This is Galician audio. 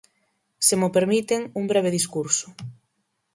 Se mo permiten, un breve discurso.